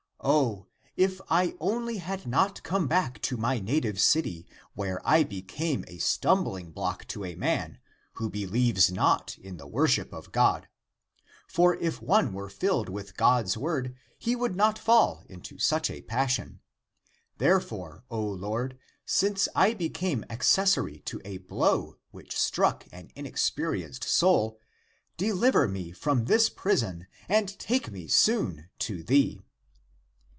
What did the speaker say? " O, if I only had not come back to my native city where I became a stumbling block to a man, who believes not in the worship of God ! For if one were filled with God's word, he would not fall into such a passion. Therefore, O Lord, since I became ac cessory to a blow which struck an inexperienced soul, deliver me from this prison and take me soon to thee!"